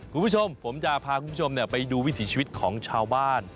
คุณผู้ชมผมจะพาคุณผู้ชมไปดูวิถีชีวิตของชาวบ้าน